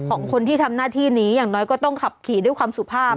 ของคนที่ทำหน้าที่นี้อย่างน้อยก็ต้องขับขี่ด้วยความสุภาพ